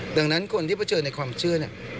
ดังนั้นคนที่เผชิญในความเชื่อเนี่ย